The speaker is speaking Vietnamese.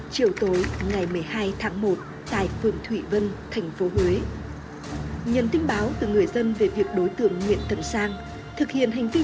chiều tối ngày một mươi hai tháng một tại phường thủy vân tp huế nhân tin báo từ người dân về việc đối tượng nguyễn thần sang thực hiện hành vi